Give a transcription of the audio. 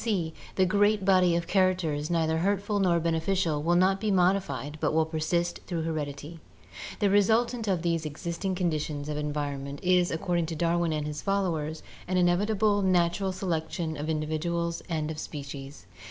c. The great body of characters neither hurtful nor beneficial will not be modified but will persist through heredity. "The resultant of these existing conditions [of environment] is, according to Darwin and his followers, an inevitable natural selec tion of individuals and of species.